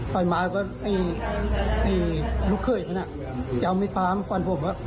ถอยมาก็ให้ลูกเครื่องนั้นจะเอามิภาพควันผม